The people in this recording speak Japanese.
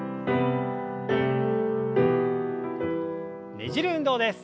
ねじる運動です。